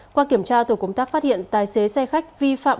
qua kiểm tra tổ công tác phát hiện tài xế xe khách vi phạm